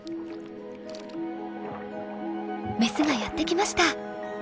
メスがやって来ました。